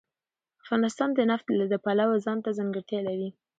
افغانستان د نفت د پلوه ځانته ځانګړتیا لري.